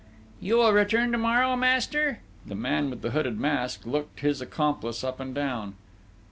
"You will return to morrow, master?" The man with the hooded mask looked his accomplice up and down.